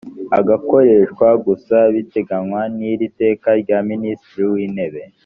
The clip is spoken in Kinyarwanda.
agakoreshwa gusa ibiteganywa n’iri teka rya minisitiri w’intebe